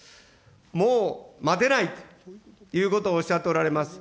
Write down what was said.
もう、待てないということをおっしゃっておられます。